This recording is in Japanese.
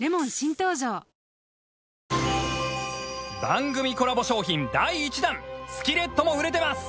番組コラボ商品第１弾スキレットも売れてます！